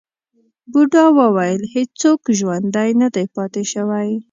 بوډا وویل هیڅوک ژوندی نه دی پاتې شوی.